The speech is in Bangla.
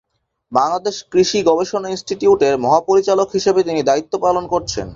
বাংলাদেশ কৃষি গবেষণা ইনস্টিটিউটের মহাপরিচালক হিসাবে তিনি দায়িত্ব পালন করেছে।